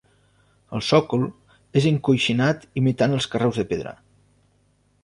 El sòcol és encoixinat imitant els carreus de pedra.